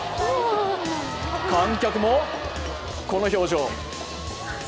観客もこの表情。